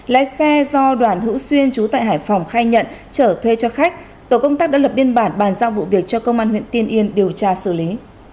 lái xe do đoàn hữu xuyên chú tại hải phòng khai nhận trở thuê cho khách tổ công tác đã lập biên bản bàn giao vụ việc cho công an huyện tiên yên điều tra xử lý